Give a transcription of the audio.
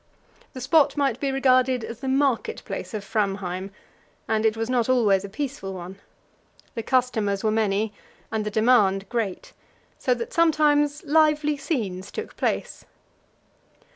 The spot might be regarded as the market place of Framheim, and it was not always a peaceful one. The customers were many and the demand great, so that sometimes lively scenes took place.